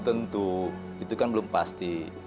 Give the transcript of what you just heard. tentu itu kan belum pasti